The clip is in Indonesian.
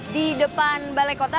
di depan balai kota